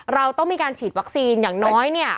เราต้องมีการฉีดวัคซีนอย่างน้อยเนี่ย